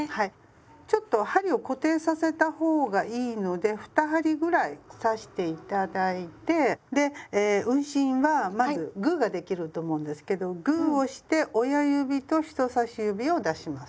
ちょっと針を固定させた方がいいので２針ぐらい刺して頂いてで運針はまずグーができると思うんですけどグーをして親指と人さし指を出します。